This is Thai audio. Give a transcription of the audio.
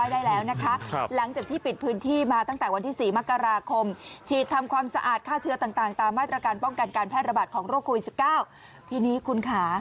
ได้แล้วนะคะหลังจากที่ปิดพื้นที่มาตั้งแต่วันที่๔มกราคมฉีดทำความสะอาดฆ่าเชื้อต่างตามมาตรการป้องกันการแพร่ระบาดของโรคโควิด๑๙ทีนี้คุณค่ะ